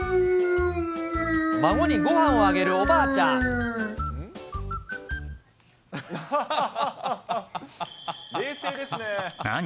孫にごはんをあげるおばあち何？